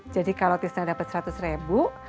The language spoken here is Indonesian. jadi kalo tisna dapet seratus ribu